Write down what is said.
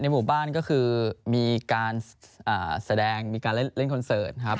หมู่บ้านก็คือมีการแสดงมีการเล่นคอนเสิร์ตครับ